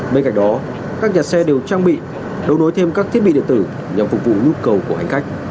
bên cạnh đó các nhà xe đều trang bị đấu nối thêm các thiết bị điện tử nhằm phục vụ nhu cầu của hành khách